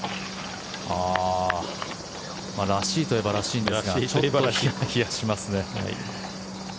らしいといえばらしいんですがちょっとヒヤヒヤしますね。